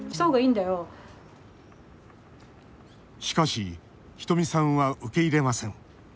しかし、ひとみさんは受け入れません。